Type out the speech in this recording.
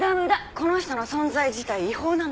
この人の存在自体違法なんだから。